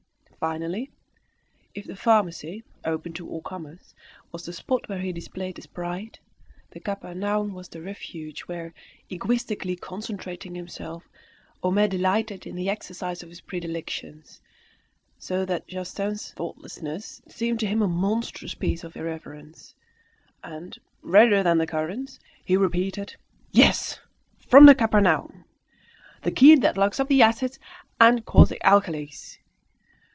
Finally, if the pharmacy, open to all comers, was the spot where he displayed his pride, the Capharnaum was the refuge where, egoistically concentrating himself, Homais delighted in the exercise of his predilections, so that Justin's thoughtlessness seemed to him a monstrous piece of irreverence, and, redder than the currants, he repeated "Yes, from the Capharnaum! The key that locks up the acids and caustic alkalies!